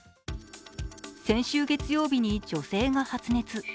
先週月曜日に女性が発熱。